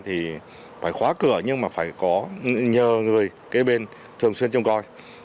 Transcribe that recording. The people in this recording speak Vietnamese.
thì phải khóa cửa nhưng mà phải có nhờ người kế bên thường xuyên trông coi